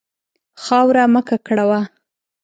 خاوره مه ککړوه.